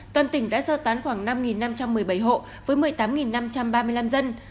toàn tỉnh đã sơ tán khoảng năm năm trăm một mươi bảy hộ với một mươi tám năm trăm ba mươi năm dân